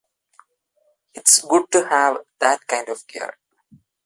It's good to have that kind of gear.